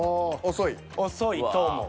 遅いと思う。